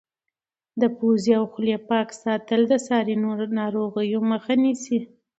د پوزې او خولې پاک ساتل د ساري ناروغیو مخه نیسي.